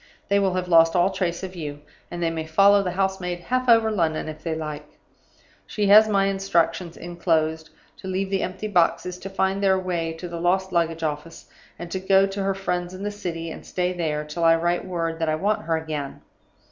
They will have lost all trace of you; and they may follow the house maid half over London, if they like. She has my instructions (inclosed) to leave the empty boxes to find their way to the lost luggage office and to go to her friends in the City, and stay there till I write word that I want her again.